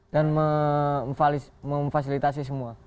dan memfasilitasi semua